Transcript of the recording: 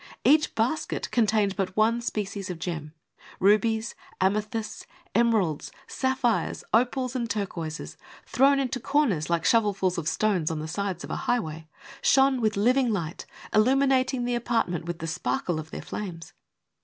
Each basket contained but one species of gem; rubies, amethysts, emeralds, sapphires, opals and turquoises, thrown into corners like shovelfuls of stones on the sides of a high way, shone with living light, illuminating the apartment with the sparkle of their flames.